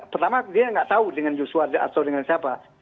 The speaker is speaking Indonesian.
pertama dia tidak tahu dengan yuswa atau dengan siapa